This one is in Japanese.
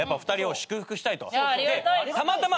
でたまたま。